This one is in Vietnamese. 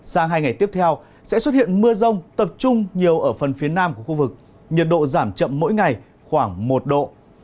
sang hai ngày tiếp theo sẽ xuất hiện mưa rông tập trung nhiều ở phần phía nam của khu vực nhiệt độ giảm chậm mỗi ngày khoảng một độ